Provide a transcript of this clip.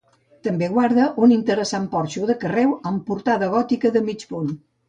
També guarda un interessant porxo de carreu amb portada gòtica de mig punt.